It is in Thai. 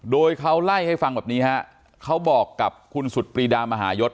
โดยเขาเล่าให้ฟังแบบนี้ฮะเขาบอกกับคุณสุดปรีดามหายศ